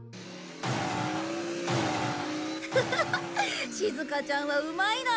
ハハハッしずかちゃんはうまいな。